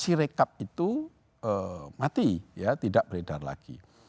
sirekap itu mati ya tidak beredar lagi